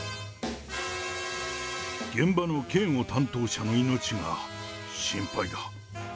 現場の警護担当者の命が心配だ。